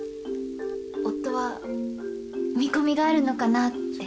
夫は見込みがあるのかなって。